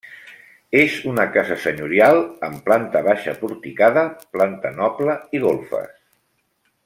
És una casa senyorial, amb planta baixa porticada, planta noble i golfes.